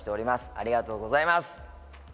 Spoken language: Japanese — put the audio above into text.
ありがとうございます。